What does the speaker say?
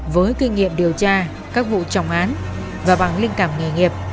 với kinh nghiệm điều tra các vụ trọng án và bằng linh cảm nghề nghiệp